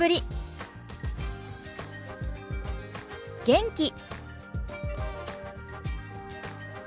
元気。